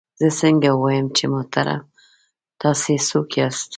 زه څنګه ووایم چې محترمه تاسې څوک یاست؟